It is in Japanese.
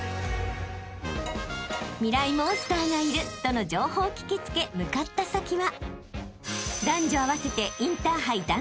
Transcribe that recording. モンスターがいるとの情報を聞き付け向かった先は男女合わせて］